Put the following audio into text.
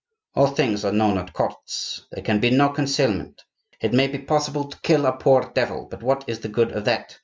All things are known at courts; there can be no concealment. It may be possible to kill a poor devil—and what is the good of that?